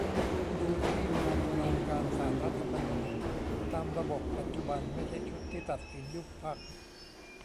ดูที่มาตุลาการ ศาลรัฐธรรมนูญ ตามระบบปัจจุบัน ไม่ใช่ชุดที่ตัดสินยุบพรรค